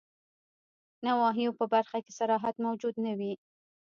نواهیو په برخه کي صراحت موجود نه وي.